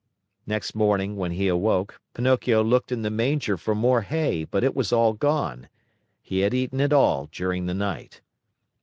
Next morning, when he awoke, Pinocchio looked in the manger for more hay, but it was all gone. He had eaten it all during the night.